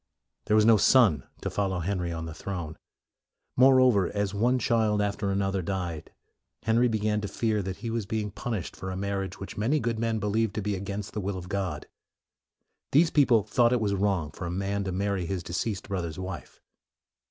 There was no son to follow Henry on the throne. Moreover, as one child after an other died, Henry began to fear that he was being punished for a marriage which many good men believed to be against the will of God. These people thought it was wrong for a man to marry his deceased brother's wife.